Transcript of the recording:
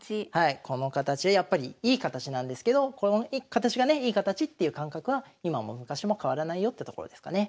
この形やっぱりいい形なんですけどこの形がねいい形っていう感覚は今も昔も変わらないよってところですかね。